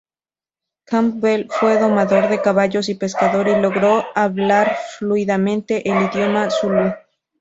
Campbell fue domador de caballos y pescador y logró hablar fluidamente el idioma zulú.